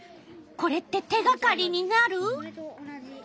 これって手がかりになる？